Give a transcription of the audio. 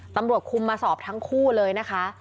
ตำรวจคุมมาสอบทั้งคู่เลยนะคะ